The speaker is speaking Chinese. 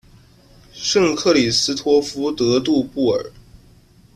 圣克里斯托夫德杜布尔。